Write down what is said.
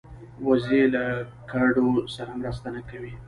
وزې له ګډو سره مرسته نه کوي